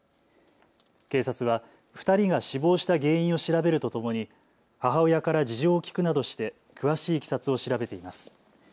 警察は２人が死亡した原因を調べるとともに母親から事情を聞くなどして詳しいいきさつを調べています。